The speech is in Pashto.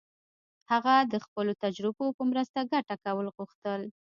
هغه د خپلو تجربو په مرسته ګټه کول غوښتل.